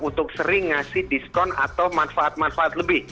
untuk sering ngasih diskon atau manfaat manfaat lebih